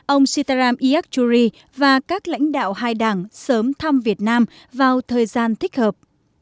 ông sitaram iakuri và các lãnh đạo hai đảng sớm thăm việt nam vào thời gian thích hợp